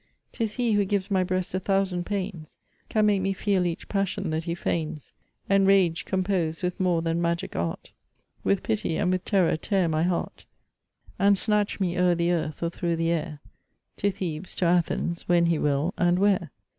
'Tis he who gives my breast a thousand pains: Can make me feel each passion that he feigns; Enrage compose with more than magic art, With pity and with terror tear my heart; And snatch me o'er the earth, or through the air, To Thebes, to Athens, when he will, and where.